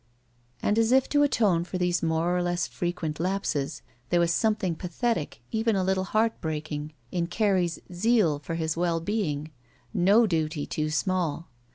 And as if to atone for these more or less frequent lapses, there was something pathetic, even a little heartbreaking, in Carrie's zeal for his well being. No duty too small.